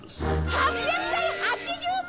８００対８０万！？